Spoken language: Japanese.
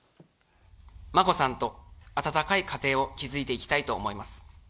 眞子さんと温かい家庭を築いていきたいと思います。